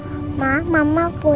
papa gak suka marah marah lagi kok